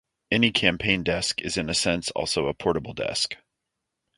Any campaign desk is in a sense also a portable desk.